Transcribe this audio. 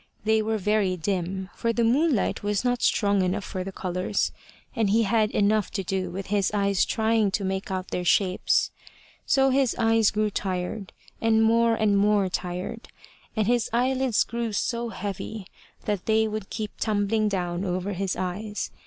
They were very dim, for the moonlight was not strong enough for the colours, and he had enough to do with his eyes trying to make out their shapes. So his eyes grew tired, and more and more tired, and his eyelids grew so heavy that they would keep tumbling down over his eyes.